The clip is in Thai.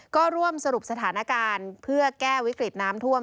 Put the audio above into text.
ก็ร่วมสรุปสถานการณ์เพื่อแก้วิกฤตน้ำท่วม